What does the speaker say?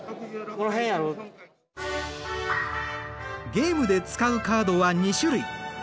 ゲームで使うカードは２種類。